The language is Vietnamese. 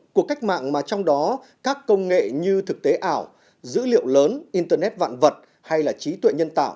cuộc cách mạng mà trong đó các công nghệ như thực tế ảo dữ liệu lớn internet vạn vật hay là trí tuệ nhân tạo